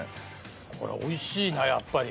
これ美味しいなやっぱり。